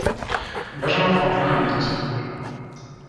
Benjamin Franklin est né dans cette rue.